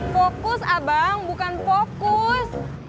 fokus abang bukan fokus